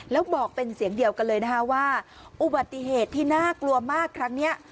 แล้วบอกเป็นเสียงเดียวกันเลยนะคะว่าอุบัติเหตุที่น่ากลัวมากครั้งนี้